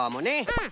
うん。